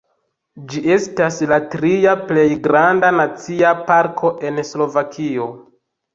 Ĝi estas la tria plej granda nacia parko en Slovakio.